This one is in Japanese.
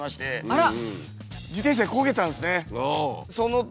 あら！